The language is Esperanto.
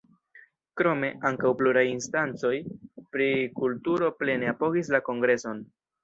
Krome, ankaŭ pluraj instancoj pri kulturo plene apogis la Kongreson.